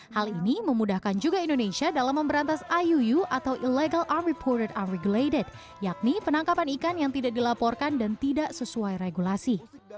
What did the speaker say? hal ini memudahkan juga indonesia dalam memberantas iuu atau illegal unreporate unregulated yakni penangkapan ikan yang tidak dilaporkan dan tidak sesuai regulasi